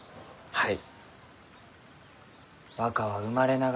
はい。